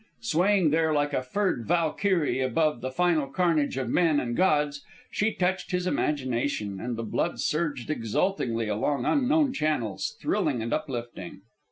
'" Swaying there like a furred Valkyrie above the final carnage of men and gods, she touched his imagination, and the blood surged exultingly along unknown channels, thrilling and uplifting.